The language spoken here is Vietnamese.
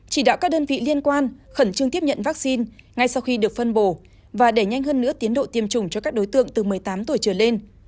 chỉ đạo các đơn vị liên quan khẩn trương tiếp nhận vaccine ngay sau khi được phân bổ và đẩy nhanh hơn nữa tiến độ tiêm chủng cho các đối tượng từ một mươi tám tuổi trở lên